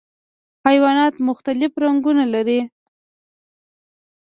حیوانات مختلف رنګونه لري.